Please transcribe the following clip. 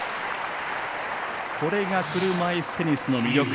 これが車いすテニスの魅力！